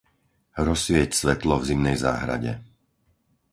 Rozsvieť svetlo v zimnej záhrade.